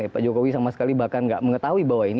pak jokowi sama sekali bahkan nggak mengetahui bahwa ini